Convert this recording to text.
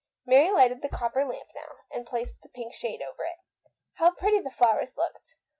Mary lighted the copper lamp now, and placed the pink shade over it. How pretty the flowers looked!